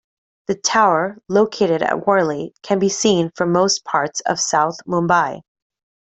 The tower, located at Worli, can be seen from most parts of South Mumbai.